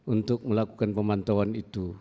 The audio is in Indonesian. untuk melakukan pemantauan itu